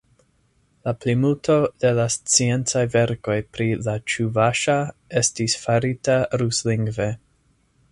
La plimulto de la sciencaj verkoj pri la ĉuvaŝa estis farita ruslingve.